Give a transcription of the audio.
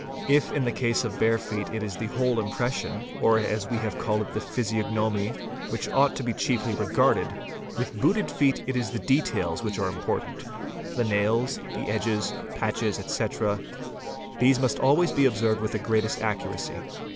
3 If in the case of bare feet it is the whole impression, or as we have called it the physiognomy, which ought to be chiefly regarded, with q booted feet it is the details which are important; the nails, the edges, — patches, etc.: these must always be observed with the greatest accuracy.